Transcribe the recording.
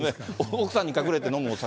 奥さんに隠れて飲むお酒。